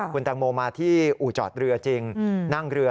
คุณแตงโมมาที่อู่จอดเรือจริงนั่งเรือ